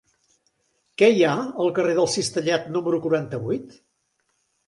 Què hi ha al carrer del Cistellet número quaranta-vuit?